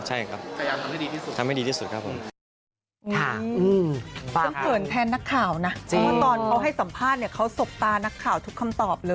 ใช่ครับทำให้ดีที่สุดครับผม